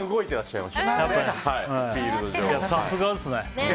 さすがですね。